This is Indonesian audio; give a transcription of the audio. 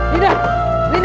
aduh aku mau pulang